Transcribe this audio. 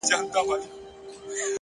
علم د پرمختګ سرعت لوړوي.